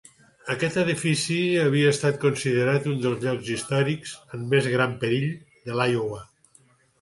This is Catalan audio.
Aquest edifici havia estat considerat un dels llocs històrics en més gran perill de l'Iowa.